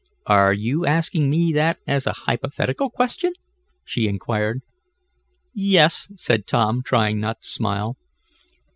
"Are you asking me that as a hypothetical question?" she inquired. "Yes," said Tom, trying not to smile.